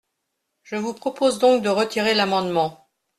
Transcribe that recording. Je vous propose donc de retirer l’amendement.